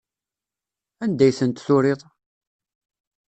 Anda ay tent-turiḍ?